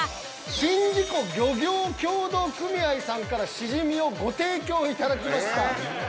宍道湖漁業協同組合さんからシジミをご提供いただきました。